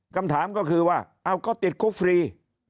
คำถามก็คือว่าเอาก็ติดคุกฟรี